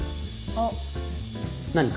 あっ。何か？